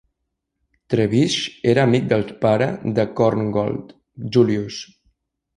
Trebitsch era amic del pare de Korngold, Julius.